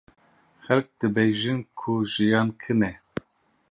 Xelk dibêjin ku jiyan kin e.